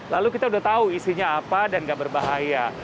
lalu kita udah tahu isinya apa dan gak berbahaya